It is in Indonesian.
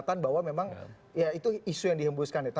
kan nama bapak disebut di sana juga